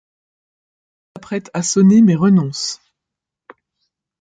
L'homme s'apprête à sonner mais renonce.